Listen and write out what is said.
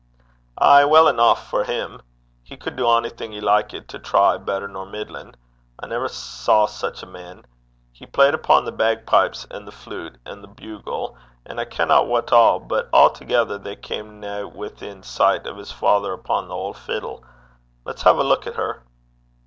'Ay, weel eneuch for him. He could do onything he likit to try, better nor middlin'. I never saw sic a man. He played upo' the bagpipes, an' the flute, an' the bugle, an' I kenna what a'; but a'thegither they cam' na within sicht o' his father upo' the auld fiddle. Lat's hae a luik at her.'